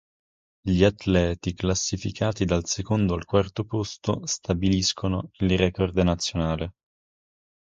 Gli atleti classificati dal secondo al quarto posto stabiliscono il record nazionale.